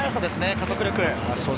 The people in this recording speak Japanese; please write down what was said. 加速力。